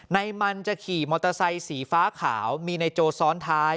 มันจะขี่มอเตอร์ไซค์สีฟ้าขาวมีนายโจซ้อนท้าย